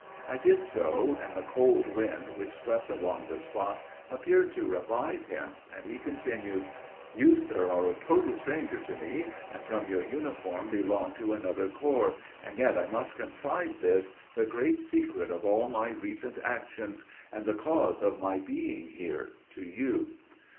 I did so, and the cold wind which swept along the spot appeared to revive him, and he continued: "You, sir, are a total stranger to me, and, from your uniform belong to another corps, and yet I must confide this, the great secret of all my recent actions, and the cause of my being here, to you.